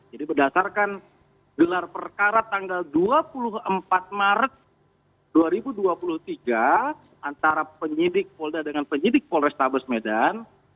jadi berdasarkan gelar perkara tanggal dua puluh empat maret dua ribu dua puluh tiga antara penyidik polda dengan penyidik polrestabes medan